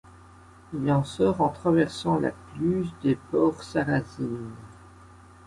Il en sort en traversant la cluse des Portes Sarrazines..